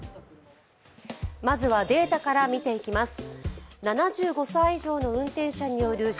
まずはデータから見ていきます。